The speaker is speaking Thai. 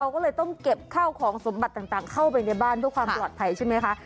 ก็เลยต้องเก็บข้าวของสมบัติต่างเข้าไปในบ้านเพื่อความปลอดภัยใช่ไหมคะ